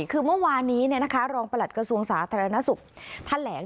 คือเมื่อวานี้รองประหลัดกระทรวงศาสตร์ธรรณสุทธิ์แถลง